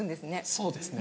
そうですね。